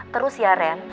terus ya ren